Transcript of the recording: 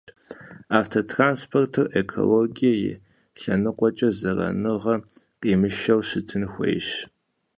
Автотранспортыр экологие и лъэныкъуэкӀэ зэраныгъэ къимышэу щытын хуейщ.